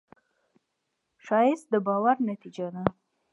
ښایست د باور نتیجه ده